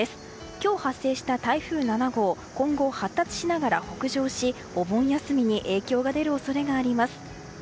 今日発生した台風７号今後発達しながら北上し、お盆休みに影響が出る恐れがあります。